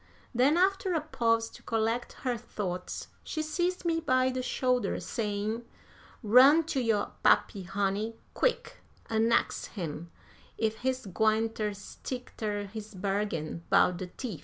Then, after a pause to collect her thoughts, she seized me by the shoulder, saying: "Run to yo' pappy, honey, quick, an' ax him ef he's gwine ter stick ter his bargain 'bout de teef.